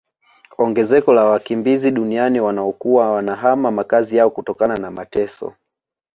Ongezeko la wakimbizi duniani wanaokuwa wanahama makazi yao kutokana na mateso